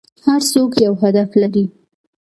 هر څوک یو هدف لري .